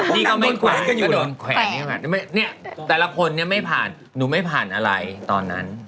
นี่ก็ไม่ผ่านก็โดนแขวนแต่ละคนเนี่ยไม่ผ่านหนูไม่ผ่านอะไรตอนนั้น